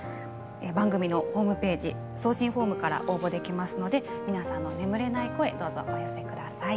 番組のホームページ送信フォームから応募できますので皆さんの眠れない声をどうぞお寄せください。